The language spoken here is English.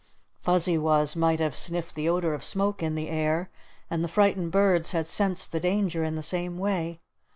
Fuzzy Wuzz might have sniffed the odor of smoke on the air, and the frightened birds had sensed the danger in the same way.